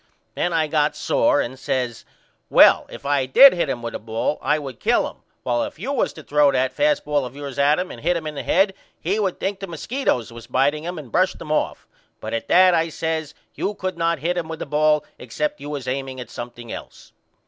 Then I got sore and I says Well if I did hit him with a ball I would kill him while if you was to throw that fast ball of yours at him and hit him in the head he would think the musketoes was biteing him and brush them off. But at that, I says, you could not hit him with a ball except you was aiming at something else.